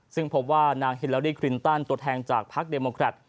ซึ่งพบว่านางฮิลลูรีนั้นตัวแทนจากพลักษณ์เดมกรัฐ